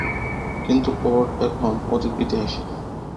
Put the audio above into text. কিন্তু ওর্ড এখন অতীত ইতিহাসই।